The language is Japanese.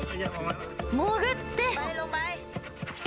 潜って！